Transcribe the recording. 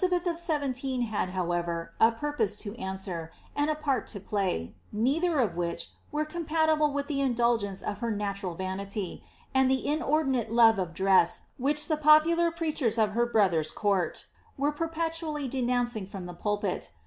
The EKnbeth of seventeen had, however, a purpose to answer, and a part R> play, neither of which were compatible with the indulgence of her ntural vanity, and that inordinate love of dress which the popular nachers of her brother's court were perpetually denouncing from the wipit.